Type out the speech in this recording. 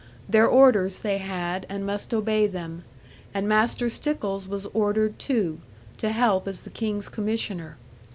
Their orders they had, and must obey them; and Master Stickles was ordered too, to help as the King's Commissioner.